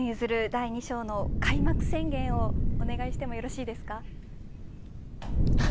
第２章の開幕宣言をお願いしてもよろしいですか。